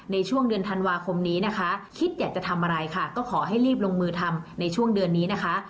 ในช่วงเดือนธันวาคมนี้นะคะคิดอยากจะทำอะไรค่ะก็ขอให้รีบลงมือทำในช่วงเดือนนี้นะคะ